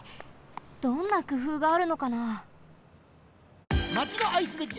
どんなくふうがあるのかな？